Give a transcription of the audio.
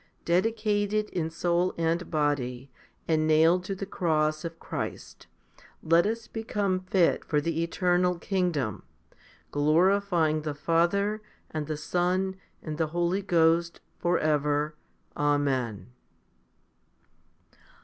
Dedicated in soul and body, and nailed to the cross of Christ, let us become fit for the eternal kingdom, glorifying the Father, and the Son, and the Holy Ghost, for ever. Amen.